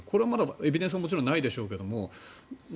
エビデンスはもちろんないでしょうけど。